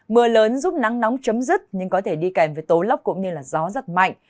mưa lớn giúp nắng nóng chấm dứt nhưng có thể đi kèm với tố lốc cũng như gió rất mạnh